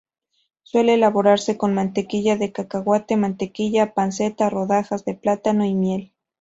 Suele elaborarse con mantequilla de cacahuate, mantequilla, panceta, rodajas de plátano y miel.